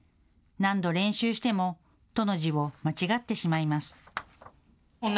何度練習しても徒の字を間違ってしまいます。